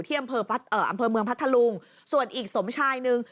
อำเภอเมืองพัทธลุงส่วนอีกสมชายหนึ่ง